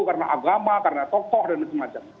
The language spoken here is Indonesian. karena agama karena tokoh dan macam macam